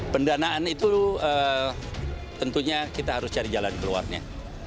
pendanaan itu tentunya kita harus cari jalan keluarnya